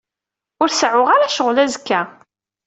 Ur seɛɛuɣ ara ccɣel azekka.